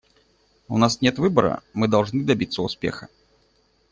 У нас нет выбора; мы должны добиться успеха.